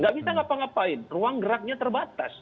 gak bisa ngapa ngapain ruang geraknya terbatas